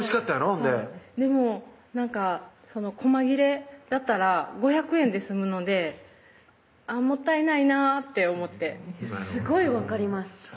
ほんででもこま切れだったら５００円で済むのでもったいないなって思ってすごい分かります